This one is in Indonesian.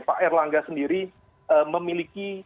pak erlangga sendiri memiliki